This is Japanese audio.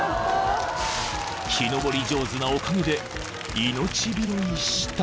［木登り上手なおかげで命拾いした］